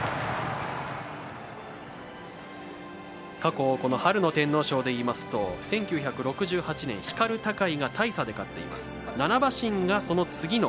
過去、春の天皇賞でいいますと１９６８年、ヒカルタカイが大差で勝っています。